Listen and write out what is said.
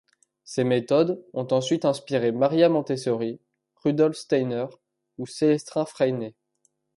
Ces méthodes ont ensuite inspirées Maria Montessori, Rudolf Steiner ou Célestin Freinet.